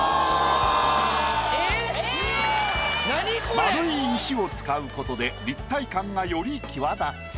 丸い石を使うことで立体感がより際立つ。